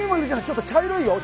ちょっと茶色いよ！